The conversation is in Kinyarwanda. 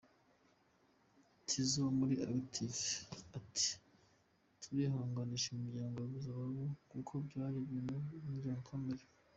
Tizzo wo muri Active ati “Turihanganisaha imiryango yabuze ababo kuko byari ibintu by’indengakamere.